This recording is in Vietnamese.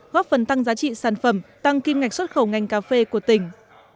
góp phần tăng giá trị sản phẩm tăng kim ngạch xuất khẩu ngành cà phê của tỉnh